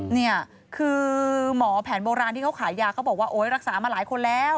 เนี่ยคือหมอแผนโบราณที่เขาขายยาเขาบอกว่าโอ๊ยรักษามาหลายคนแล้ว